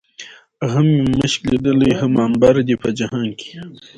هم مې مښک ليدلي، هم عنبر دي په جهان کې